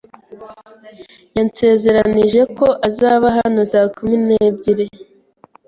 Yansezeranije ko azaba hano saa kumi n'ebyiri.